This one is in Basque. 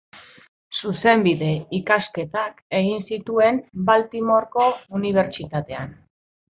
Zuzenbide-ikasketak egin zituen Baltimoreko Unibertsitatean.